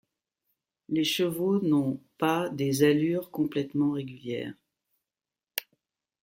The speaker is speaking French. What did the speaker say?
Les chevaux n'ont pas des allures complètement régulières.